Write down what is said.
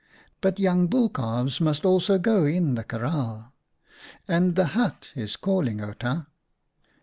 But young bull calves must also go in the kraal, and the hut is calling Outa.